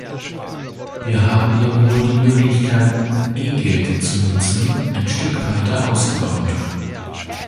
Wir haben hier nur die Möglichkeiten, E-Geld zu nutzen, ein Stück weiter ausgebaut.